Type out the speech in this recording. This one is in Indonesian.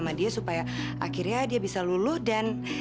bapak dan ibu semua